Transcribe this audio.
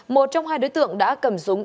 một trong hai đối tượng đã cầm súng